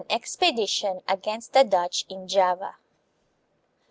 An Expedition against the Dutch in Java.